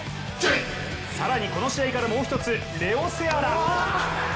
更にこの試合からもう一つ、レオセアラ。